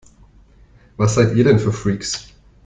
Was seid ihr denn für Freaks?